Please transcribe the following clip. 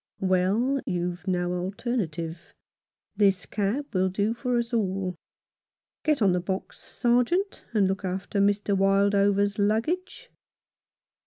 "Well, you've no alternative. This cab will do for us all. Get on the box, Sergeant, and look after Mr. Wildover's luggage."